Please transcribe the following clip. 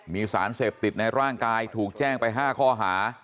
มีสารเสพติดในร่างกายถูกแจ้งไป๕ข้อหา